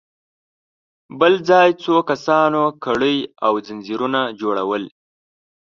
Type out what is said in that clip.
بل ځای څو کسانو کړۍ او ځنځيرونه جوړل.